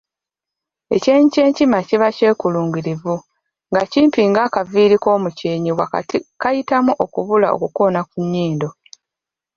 "Ekyenyi ky’enkima kiba kyekulungirivu, nga kimpi ng’akaviiri k’omukyenyi wakati kayitamu okubula okukoona ku nnyindo."